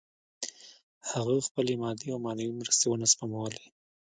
هغه خپلې مادي او معنوي مرستې ونه سپمولې